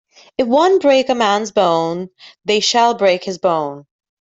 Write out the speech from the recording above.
If one break a man's bone, they shall break his bone.